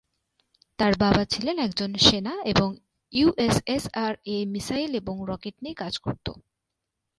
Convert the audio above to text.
তার বাবা ছিলেন একজন সেনা এবং ইউএসএসআর এ মিসাইল এবং রকেট নিয়ে কাজ করতো।